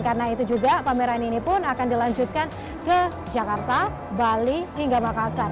karena itu juga pameran ini pun akan dilanjutkan ke jakarta bali hingga makassar